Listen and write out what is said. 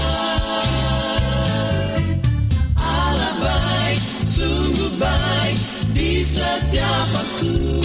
alam baik sungguh baik di setiap waktu